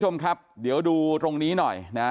คุณผู้ชมครับเดี๋ยวดูตรงนี้หน่อยนะ